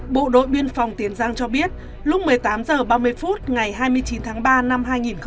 bộ đội biên phòng tiền giang cho biết lúc một mươi tám h ba mươi phút ngày hai mươi chín tháng ba năm hai nghìn hai mươi